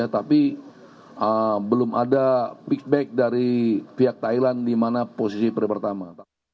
tapi belum ada peakback dari pihak thailand di mana posisi periode pertama